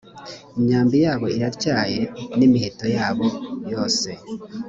imyambi yabo iratyaye n ‘imiheto yabo yose.